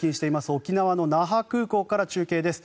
沖縄の那覇空港から中継です。